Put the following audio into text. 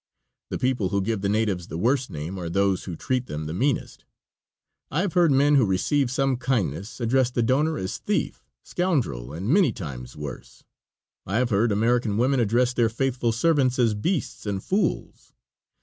The people who give the natives the worst name are those who treat them the meanest. I have heard men who received some kindness address the donor as thief, scoundrel, and many times worse. I have heard American women address their faithful servants as beasts and fools.